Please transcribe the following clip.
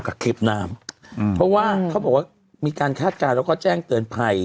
คลิปน้ำอืมเพราะว่าเขาบอกว่ามีการคาดการณ์แล้วก็แจ้งเตือนภัย